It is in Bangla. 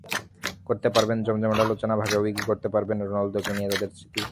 করতে পারবেন জমজমাট আলোচনা, ভাগাভাগি করতে পারবেন রোনালদোকে নিয়ে তাঁদের স্মৃতি।